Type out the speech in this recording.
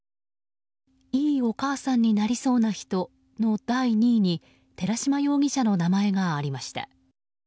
いいお母さんになりそうな人の第２位に寺島容疑者の名前がありました。